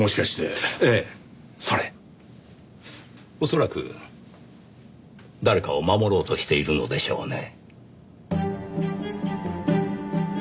恐らく誰かを守ろうとしているのでしょうね。